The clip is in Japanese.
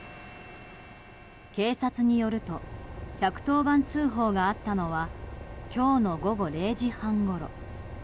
警察によると１１０番通報があったのは今日の午後０時半ごろ。